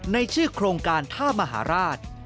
ในชื่อโครงการท่ามหาราช